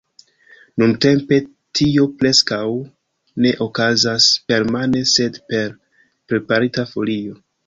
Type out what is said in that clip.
Nuntempe tio preskaŭ ne okazas permane, sed per preparita folio.